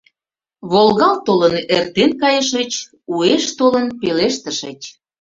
Волгалт толын эртен кайышыч, уэш толын пелештышыч